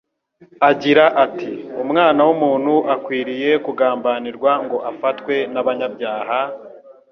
agira ati: Umwana w'umuntu akwiriye kugambanirwa ngo afatwe n'abanyabyaha;